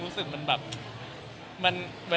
รู้สึกมันแบบ